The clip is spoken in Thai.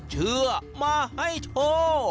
เชื่อมาให้โชค